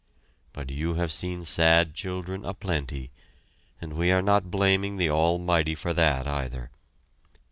But you have seen sad children a plenty, and we are not blaming the Almighty for that either.